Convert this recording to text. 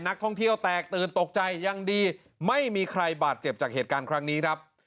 นักท่องเที่ยวแตกตื่นตกใจยังดีไม่มีใครบาดเจ็บจากเหตุการณ์ครั้งนี้ครับ